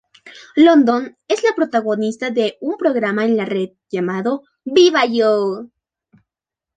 London es la protagonista de un programa en la red llamado "¡Viva yo!